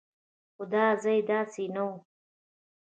خو دا ځای داسې نه و.